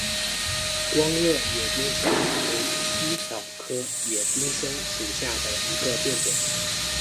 光萼野丁香为茜草科野丁香属下的一个变种。